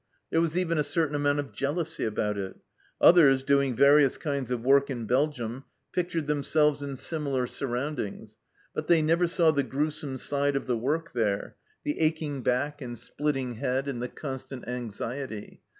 There was even a certain amount of jealousy about it ; others doing various kinds of work in Belgium pictured themselves in similar surroundings, but they never saw the gruesome side of the work there, the aching back and splitting VARIED LIFE IN PERVYSE 165 head, and the constant anxiety.